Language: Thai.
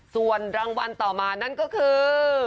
ส่วนรางวัลต่อมานั่นก็คือ